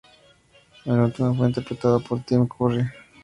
En la última fue interpretado por Tim Curry.